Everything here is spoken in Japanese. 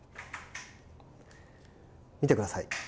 見てください。